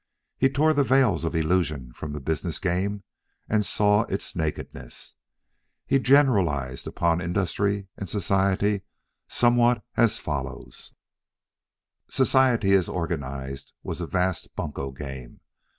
He tore the veils of illusion from the business game, and saw its nakedness. He generalized upon industry and society somewhat as follows: Society, as organized, was a vast bunco game.